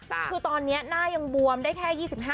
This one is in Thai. คือตอนนี้หน้ายังบวมได้แค่๒๕